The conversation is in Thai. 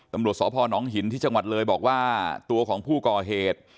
ตำรวจสพนหินที่จังหวัดเลยบอกว่าตัวของผู้ก่อเหตุ